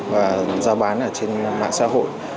và ra bán ở trên mạng xã hội